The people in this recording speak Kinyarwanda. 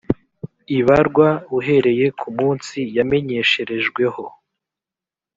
ibarwa uhereye ku munsi yamenyesherejweho